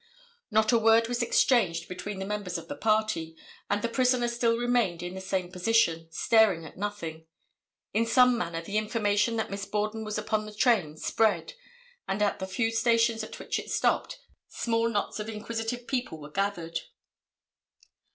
Not a word was exchanged between the members of the party, and the prisoner still remained in the same position, staring at nothing. In some manner the information that Miss Borden was upon the train spread, and at the few stations at which it stopped small knots of inquisitive people were gathered.